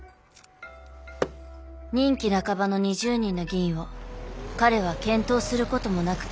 任期半ばの２０人の議員を彼は検討することもなく切り捨てた。